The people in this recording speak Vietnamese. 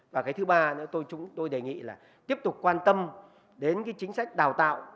và cái thứ ba nữa chúng tôi đề nghị là tiếp tục quan tâm đến cái chính sách đào tạo